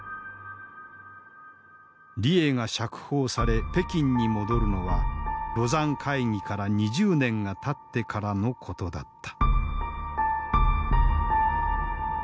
李鋭が釈放され北京に戻るのは廬山会議から２０年がたってからのことだった。